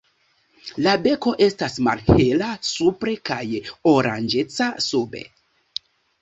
La beko estas malhela supre kaj oranĝeca sube.